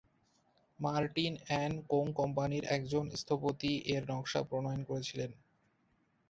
Martin and co কোম্পানির একজন স্থপতি এর নকশা প্রণয়ন করেছিলেন।